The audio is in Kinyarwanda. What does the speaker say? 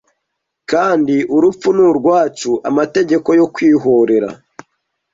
kandi urupfu ni urwacu amategeko yo kwihorera